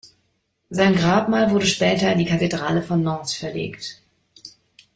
Sein Grabmal wurde später in die Kathedrale von Nantes verlegt.